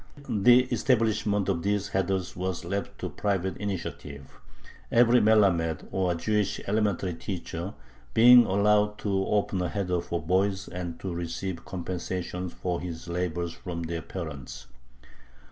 The establishment of these heders was left to private initiative, every melammed, or Jewish elementary teacher, being allowed to open a heder for boys and to receive compensation for his labors from their parents.